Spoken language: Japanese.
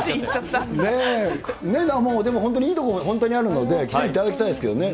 でも、本当にいいところも本当にあるので、来ていただきたいですけどね。